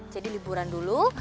jadi liburan dulu